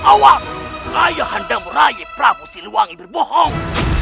awas ayahandamu rai prabu siliwangi berbohong